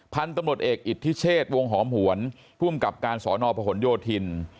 พันธุ์ตำรวจเอกอิทธิเชษวงหอมหวนภูมิกับการสอนอพหนโยธิน